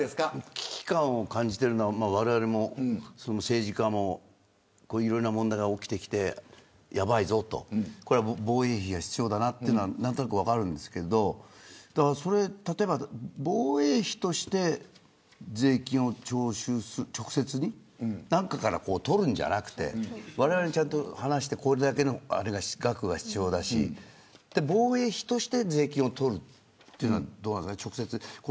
危機感を感じているのはわれわれも政治家もいろいろな問題が起きてきてやばいぞと、防衛費が必要だなというのは何となく分かるんですけど防衛費として税金を直接、何かから取るのではなくてわれわれに、ちゃんと話してこれだけの額が必要だし防衛費として税金を取るというのはどうなんですかね。